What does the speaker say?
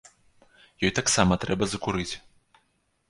Ёй таксама трэба закурыць.